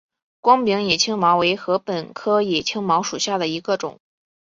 光柄野青茅为禾本科野青茅属下的一个种。